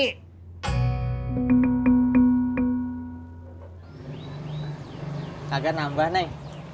tidak ada yang nambah nay